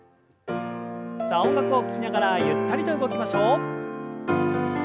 さあ音楽を聞きながらゆったりと動きましょう。